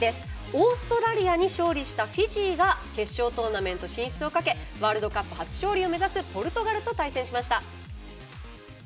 オーストラリアに勝利したフィジーが決勝トーナメント進出をかけワールドカップ初勝利を目指すポルトガルと対戦しました。